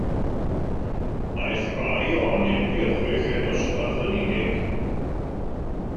Aeth rhai ohonynt i'r chweched dosbarth yn unig.